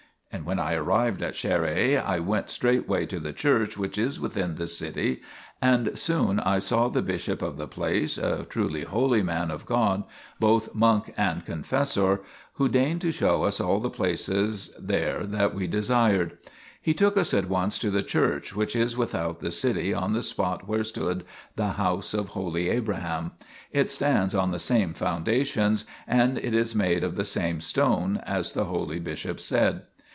2 And when I arrived at Charrae I went straightway to the church which is within the city, and soon I saw the bishop of the place, a truly holy man of God, both monk and confessor, who deigned to show us all the places there that we desired. He took us at once to the church, which is without the city on the spot where stood the house of holy Abraham ; it stands on the same foundations, and it is made of the same stone, as the holy bishop said.